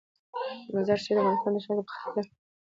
مزارشریف د افغانستان د ښاري پراختیا سبب کېږي.